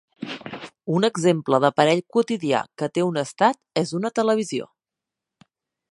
Un exemple d'aparell quotidià que té un "estat" és una televisió.